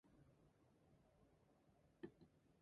Each chancellor reports to the president.